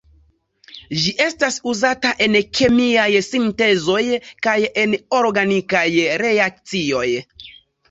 Ĝi estas uzata en kemiaj sintezoj kaj en organikaj reakcioj.